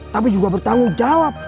tapi juga bertanggung jawab